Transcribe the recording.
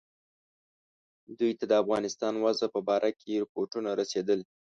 دوی ته د افغانستان وضع په باره کې رپوټونه رسېدل.